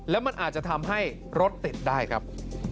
แล้วมันอาจจะทำให้รถติดได้ครับ